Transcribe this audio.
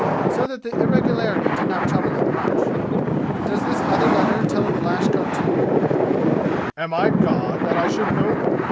So that the irregularity did not trouble him much. "Does this other letter tell of the lashkar, too?" "Am I God, that I should know?